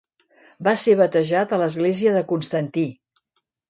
Va ser batejat a l'església de Constantí.